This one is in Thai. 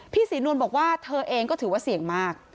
ศรีนวลบอกว่าเธอเองก็ถือว่าเสี่ยงมาก